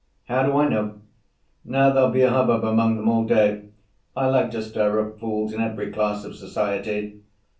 "How do I know? Now there'll be a hubbub among them all day. I like to stir up fools in every class of society.